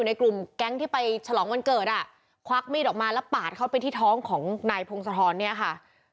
ในกลุ่มแก๊งที่ไปฉลองวันเกิดอ่ะควักมีดออกมาแล้วปาดเข้าไปที่ท้องของนายพงศธรเนี่ยค่ะ